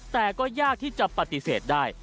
แต่ก็ยากที่จะปฏิเสธได้